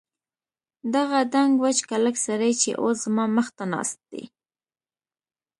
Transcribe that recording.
دغه دنګ وچ کلک سړی چې اوس زما مخ ته ناست دی.